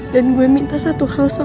dan gue minta satu hal sama lo